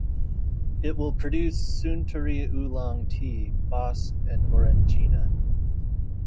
It will produce Suntory Oolong Tea, Boss and Orangina.